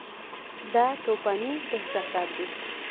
دا توپاني احساسات دي.